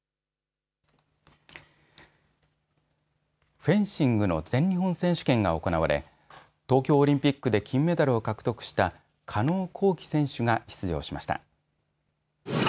フェンシングの全日本選手権が行われ東京オリンピックで金メダルを獲得した加納虹輝選手が出場しました。